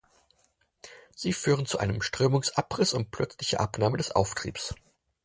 Sie führen zu einem Strömungsabriss und plötzlicher Abnahme des Auftriebs.